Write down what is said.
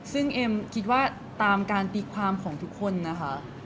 ซึ่งเอ็มคิดว่าตามการตีความของทุกคนนะคะ